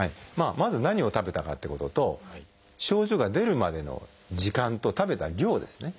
まず何を食べたかっていうことと症状が出るまでの時間と食べた量ですね。